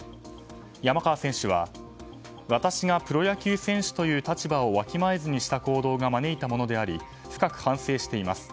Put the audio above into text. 山川選手は私がプロ野球選手という立場をわきまえずにした行動が招いたものであり深く反省しています。